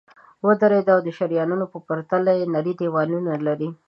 وریدونه د شریانونو په پرتله نری دیوال لري.